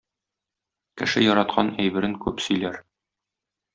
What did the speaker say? Кеше яраткан әйберен күп сөйләр.